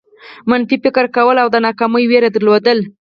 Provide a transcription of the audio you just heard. منفي فکر کول او د ناکامۍ وېره درلودل.